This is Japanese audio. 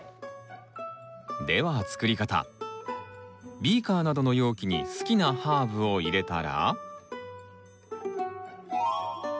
ビーカーなどの容器に好きなハーブを入れたら。